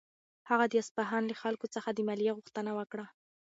هغه د اصفهان له خلکو څخه د مالیې غوښتنه وکړه.